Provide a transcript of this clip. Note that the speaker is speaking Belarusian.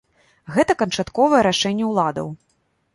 Гэта канчатковае рашэнне ўладаў.